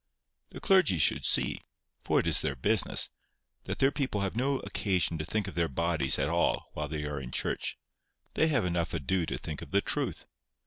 The clergy should see—for it is their business—that their people have no occasion to think of their bodies at all while they are in church. They have enough ado to think of the truth.